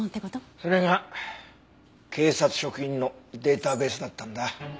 それが警察職員のデータベースだったんだ。